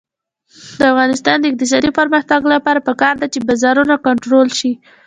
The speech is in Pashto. د افغانستان د اقتصادي پرمختګ لپاره پکار ده چې بازارونه کنټرول شي.